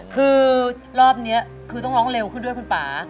คือรอบนี้คือต้องร้องเร็วขึ้นด้วยคุณป่า